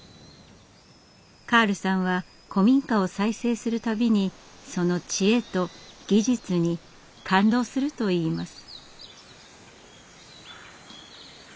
カールさんは古民家を再生する度にその知恵と技術に感動するといいます。